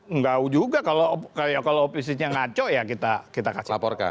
enggak juga kalau opisisnya ngaco ya kita kasih laporkan